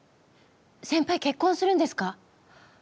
先輩結婚するんですか？